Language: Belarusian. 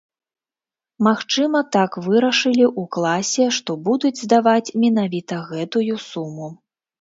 Магчыма, так вырашылі ў класе, што будуць здаваць менавіта гэтую суму.